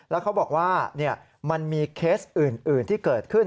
แล้วเขาบอกว่ามันมีเคสอื่นที่เกิดขึ้น